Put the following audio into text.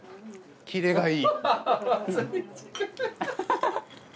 キレがいい！